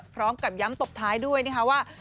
พร้อมกับย้ำตบท้ายด้วยนะคะว่า